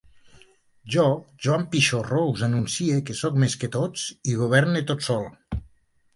Jo, Joan Pixorro, us anuncie que soc més que tots i governe tot sol.